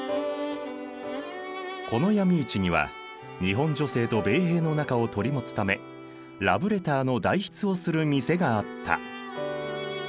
この闇市には日本女性と米兵の仲を取り持つためラブレターの代筆をする店があった。